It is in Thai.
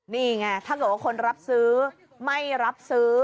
นี่ไงเท่าเรื่องว่าคนรับซื้อไม่รับซื้อ